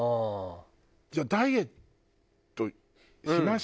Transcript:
じゃあダイエットしました。